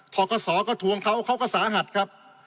กศก็ทวงเขาเขาก็สาหัสครับ